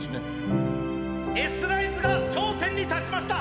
Ｓライズが頂点に立ちました！